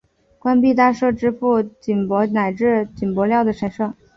官币大社支付币帛乃至币帛料的神社。